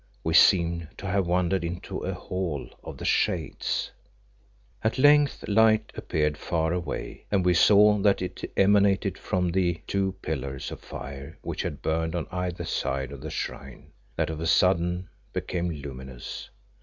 We seemed to have wandered into a hall of the Shades. At length light appeared far away, and we saw that it emanated from the two pillars of fire which had burned on either side of the Shrine, that of a sudden became luminous.